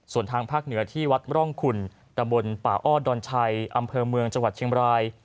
ส่วนทางภาคเหนือที่วัดร่องขุนตะบนป่าอ้อดอนชัยอำเภอเมืองจังหวัดเชียงบราย